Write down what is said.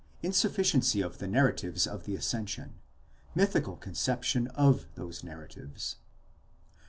INSUFFICIENCY OF THE NARRATIVES OF THE ASCENSION. MYTHICAL CON CEPTION OF THOSE NARRATIVES.